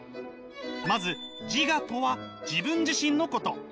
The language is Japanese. まず自我とは自分自身のこと！